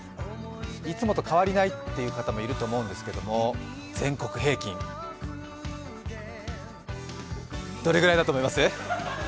いつもと変わりないという方もいると思うんですけど、全国平均どれぐらいだと思います？